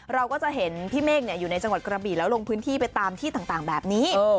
เราก็จะเห็นพี่เมฆอยู่ในจังหวัดกระบี่แล้วลงพื้นที่ไปตามที่ต่างแบบนี้